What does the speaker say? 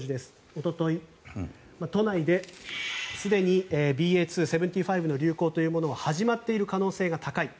おととい、都内ですでにＢＡ．２．７５の流行というものは始まっている可能性が高い。